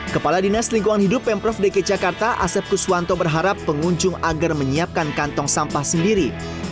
kepala dinas lingkungan hidup pemprov dki jakarta asep kuswanto berharap pengunjung agar menyiapkan kantong sampah sendiri